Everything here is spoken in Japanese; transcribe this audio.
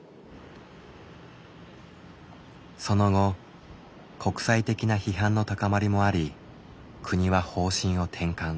その後国際的な批判の高まりもあり国は方針を転換。